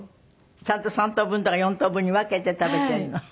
ちゃんと３等分とか４等分に分けて食べてるの？